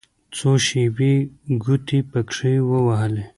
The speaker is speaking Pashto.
څو شېبې يې ګوتې پکښې ووهلې.